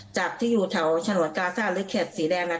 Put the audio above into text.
จากที่อยู่แถวฉนวนกาซ่าหรือเขตสีแดง